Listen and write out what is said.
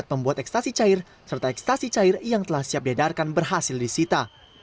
pembuat ekstasi cair serta ekstasi cair yang telah siap diedarkan berhasil disita